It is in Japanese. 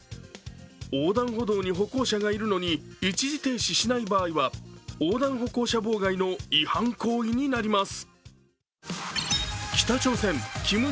横断歩道に歩行者がいるのに一時停止しない場合は、横断歩行者妨害の違反行為になります。